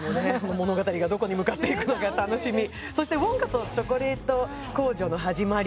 物語がどこに向かっていくのか楽しみそして「ウォンカとチョコレート工場のはじまり」